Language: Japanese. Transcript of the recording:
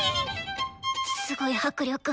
すごい迫力。